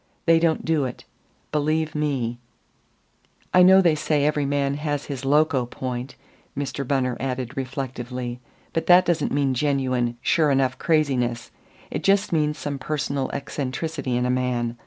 They don't do it believe me. I know they say every man has his loco point," Mr. Bunner added reflectively, "but that doesn't mean genuine, sure enough craziness; it just means some personal eccentricity in a man